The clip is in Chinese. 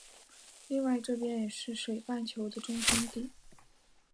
另外这边也是水半球的中心地。